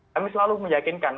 kami selalu meyakinkan